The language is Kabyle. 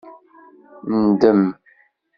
Ndem